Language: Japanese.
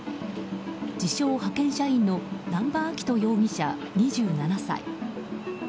自称派遣社員の南場章人容疑者、２７歳。